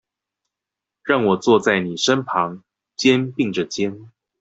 讓我坐在妳身旁，肩並著肩